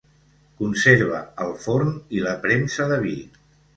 Conserva el forn i la premsa de vi.